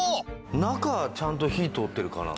中ちゃんと火通ってるかな？